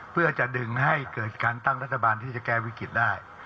เพื่อจะดึงให้เกิดการตั้งรัฐบาลที่จะแก้วิกฤตได้